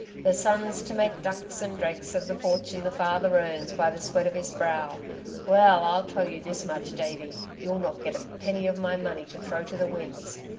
"The son's to make ducks and drakes of the fortune the father earns by the sweat of his brow. Well, I'll tell you this much, Davey, you'll not get a penny of my money to throw to the winds.